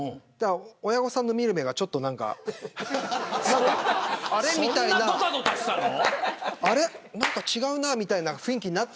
親御さんの見る目がちょっとあれ、何か違うな、みたいな雰囲気になって。